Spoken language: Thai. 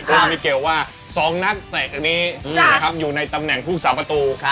โค้ชมิเกลว่า๒นักเตะตรงนี้อยู่ในตำแหน่งภูมิสาประตู